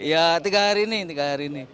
ya tiga hari ini tiga hari ini